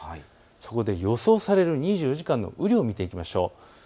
そこで予想される２４時間の雨量を見ていきましょう。